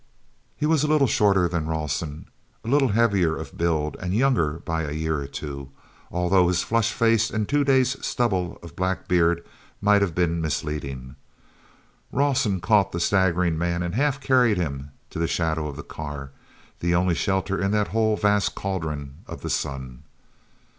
He was a little shorter than Rawson, a little heavier of build, and younger by a year or two, although his flushed face and a two days' stubble of black beard might have been misleading. Rawson caught the staggering man and half carried him to the shadow of the car, the only shelter in that whole vast cauldron of the sun.